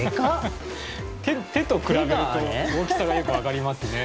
手と比べると大きさがよく分かりますね。